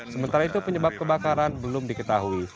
sementara itu penyebab kebakaran belum diketahui